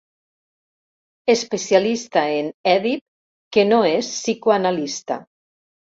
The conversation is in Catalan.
Especialista en Èdip que no és psicoanalista.